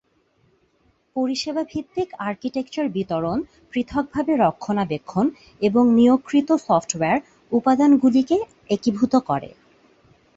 পরিষেবা-ভিত্তিক architecture বিতরণ, পৃথকভাবে রক্ষণাবেক্ষণ এবং-নিয়োগকৃত সফ্টওয়্যার উপাদানগুলিকে একীভূত করে।